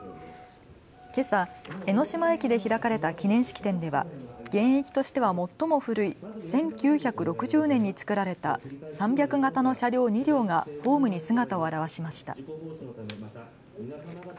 けさ、江ノ島駅で開かれた記念式典では現役としては最も古い１９６０年に造られた３００形の車両２両がホームに姿を現しました。